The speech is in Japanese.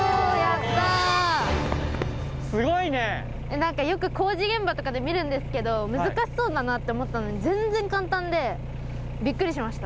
何かよく工事現場とかで見るんですけど難しそうだなと思ったのに全然簡単でびっくりしました。